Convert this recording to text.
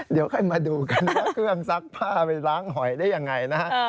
เดี๋ยวค่อยมาดูกันแล้วเครื่องซักผ้าไปล้างหอยได้ยังไงนะฮะ